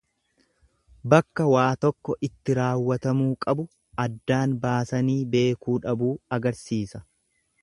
Bakka waa tokko itti raawwatamuu qabu addaan baasanii beekuu dhabuu agarsiisa.